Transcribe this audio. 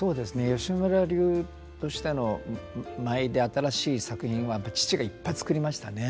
吉村流としての舞で新しい作品は父がいっぱい作りましたね。